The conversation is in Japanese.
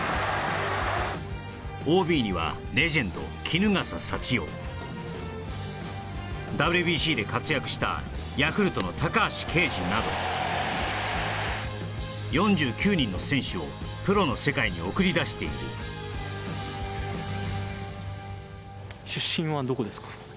ＯＢにはレジェンド衣笠祥雄ＷＢＣで活躍したヤクルトの高橋奎二など４９人の選手をプロの世界に送り出している出身はどこですか？